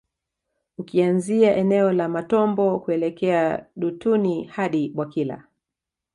Ukianzia eneo la Matombo kuelekea Dutuni hadi Bwakila